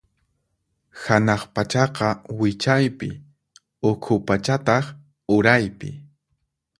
Hanaq pachaqa wichaypi, ukhu pachataq uraypi.